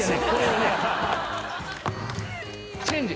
チェンジ。